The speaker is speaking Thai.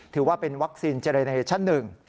ถือว่าเป็นวัคซีนเจรเนเรชั่น๑